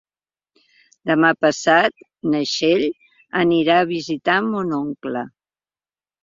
Demà passat na Txell anirà a visitar mon oncle.